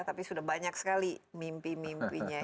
tapi sudah banyak sekali mimpi mimpinya